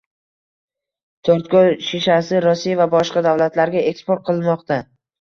To‘rtko‘l shishasi rossiya va boshqa davlatlarga eksport qilinmoqda